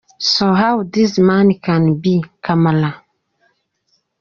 So how this man can be kamara!!?